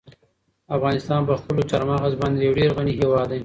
افغانستان په خپلو چار مغز باندې یو ډېر غني هېواد دی.